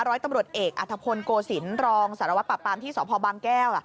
ร้อยตำรวจเอกอัธพลโกศิลป์รองสารวัตรปรับปรามที่สพบางแก้ว